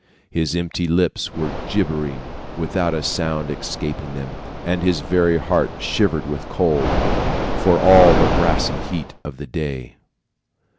His empty lips were gibbering without a sound escaping them, and his very heart shivered with cold, for all the brassy heat of the day.